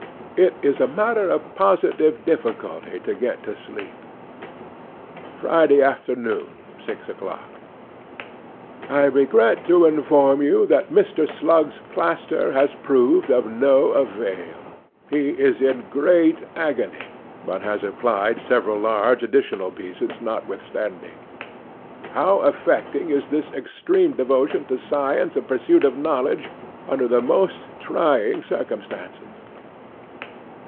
It is a matter of positive difficulty to get to sleep.' 'Friday afternoon, six o'clock. 'I REGRET to inform you that Mr. Slug's plaster has proved of no avail. He is in great agony, but has applied several large, additional pieces notwithstanding. How affecting is this extreme devotion to science and pursuit of knowledge under the most trying circumstances!